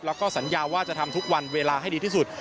แล้วก็สัญญาว่าจะทำทุกวันเวลาให้ดีที่สุด